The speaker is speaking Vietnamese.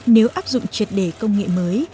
nếu áp dụng triệt đề công nghệ mới